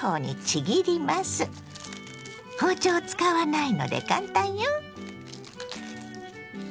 包丁を使わないので簡単よ。